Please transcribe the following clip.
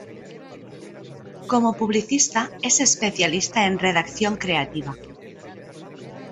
Como publicista, es especialista en redacción creativa.